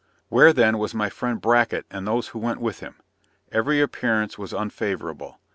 Where then was my friend Bracket and those who went with him? Every appearance was unfavorable.